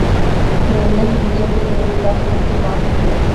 تر یوې لنډې مودې وروسته یې پراخې ځمکې لاندې کړې.